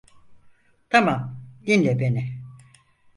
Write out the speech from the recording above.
Tamam, dinle beni.